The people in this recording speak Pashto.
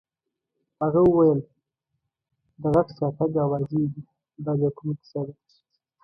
هغه وویل: د غټ شاتګ اوازې دي، دا بیا کومه کیسه ده؟